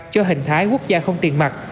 cho hình thái quốc gia không tiền mặt